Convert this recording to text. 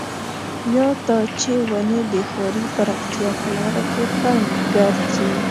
يا دا چې ونې د ښاري پراختيا په لاره کې خنډ ګرځي.